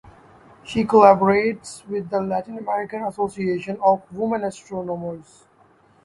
She collaborates with the Latin American Association of Women Astronomers.